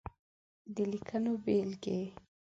د ليکنو بېلګې :